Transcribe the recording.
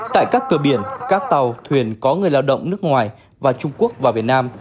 tại các cửa biển các tàu thuyền có người lao động nước ngoài và trung quốc vào việt nam